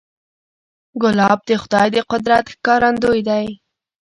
ګلاب د خدای د قدرت ښکارندوی دی.